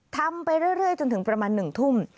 ทำไปเรื่อยจนถึงประมาณ๑ทุ่ม